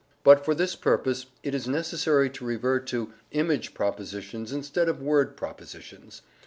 But for this purpose it is necessary to revert to image propositions instead of word propositions.